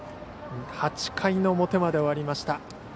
８回の表まで終わりました。